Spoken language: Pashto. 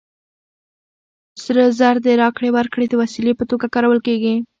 سره زر د راکړې ورکړې د وسیلې په توګه کارول کېږي